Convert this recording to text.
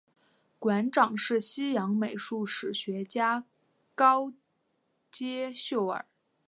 馆长是西洋美术史学家高阶秀尔。